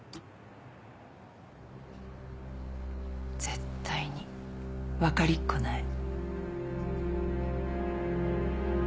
絶対に分かりっこない。